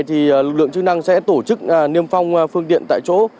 thì lực lượng chức năng sẽ tổ chức niêm phong phương tiện tại chỗ